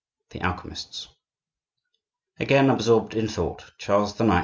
THE ALCHEMISTS Again absorbed in thought, Charles IX.